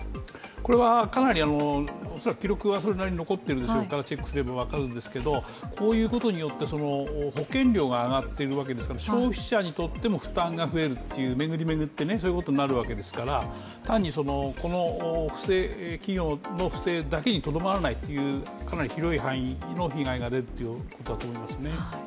これはおそらく記録がそれなりに残ってるでしょうからチェックすれば分かるんですけど、こういうことによって保険料が上がっているわけですから消費者にとっても負担が増えるという巡り巡って、そういうことになるわけですから、単にこの企業の不正だけにとどまらないというかなり広い範囲の被害が出るということだと思いますね。